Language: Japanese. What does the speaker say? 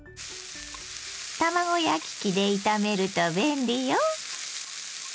卵焼き器で炒めると便利よ。